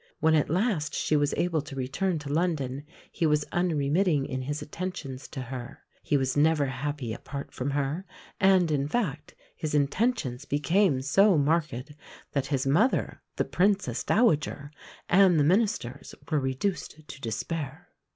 When at last she was able to return to London he was unremitting in his attentions to her. He was never happy apart from her; and, in fact, his intentions became so marked that his mother, the Princess Dowager, and the ministers were reduced to despair.